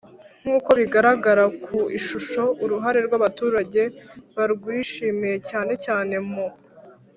Nk uko bigaragara ku ishusho uruhare rw abaturage barwishimiye cyane cyane mu